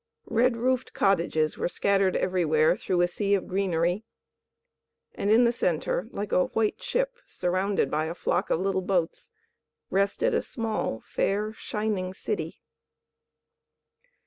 Red roofed cottages were scattered everywhere through the sea of greenery, and in the centre, like a white ship surrounded by a flock of little boats, rested a small, fair, shining city.